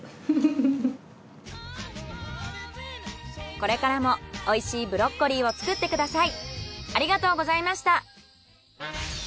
これからもおいしいブロッコリーを作ってください。